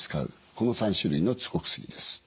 この３種類のお薬です。